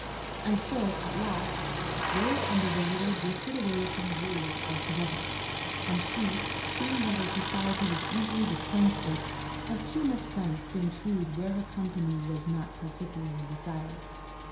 And so, at last, Rose and the visitor drifted away from Julia altogether, and she, seeing that her society was easily dispensed with, had too much sense to intrude where her company was not partic ularly desired.